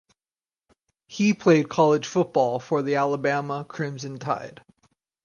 He played college football for the Alabama Crimson Tide.